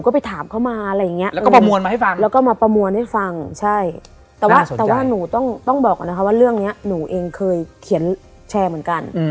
เพราะว่าเรื่องนี้หนูเองเคยเขียนแชร์เหมือนกัน